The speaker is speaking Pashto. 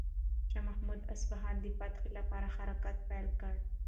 شاه محمود د اصفهان د فتح لپاره حرکت پیل کړ.